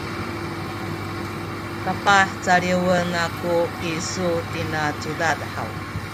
kapah caliwen aku kisu tina cudad haw?